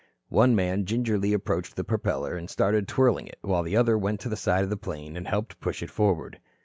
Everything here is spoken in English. One man gingerly approached the propeller and started twirling it, while the other went to the side of the plane and helped push it forward.